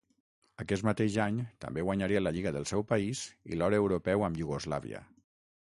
Aquest mateix any, també guanyaria la lliga del seu país i l'or europeu amb Iugoslàvia.